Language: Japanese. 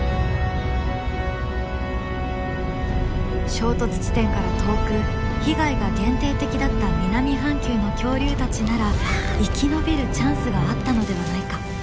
衝突地点から遠く被害が限定的だった南半球の恐竜たちなら生き延びるチャンスがあったのではないか。